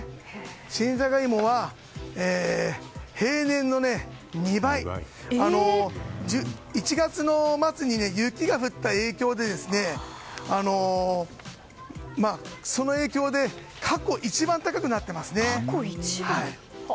新ジャガイモは平年の２倍１月末に雪が降った影響で過去一番高くなっています。